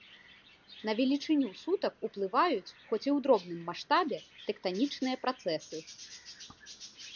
На велічыню сутак уплываюць, хоць і ў дробным маштабе, тэктанічныя працэсы.